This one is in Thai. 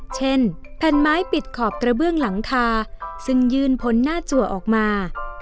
เช่นแผ่นไม้ปิดขอบกระเบื้องหลังคาซึ่งยื่นพ้นหน้าจัวออกมา